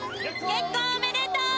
結婚おめでとう！